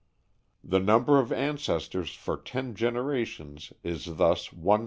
The number of ancestors for ten generations is thus 1,022.